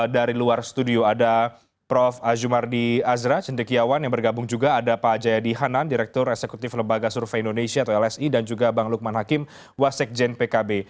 dari luar studio ada prof azumardi azra cendekiawan yang bergabung juga ada pak jayadi hanan direktur eksekutif lembaga survei indonesia atau lsi dan juga bang lukman hakim wasek jen pkb